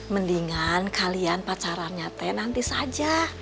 mendingan kalian pacaran nyate nanti saja